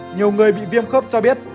nhiều người bị viêm khớp cho biết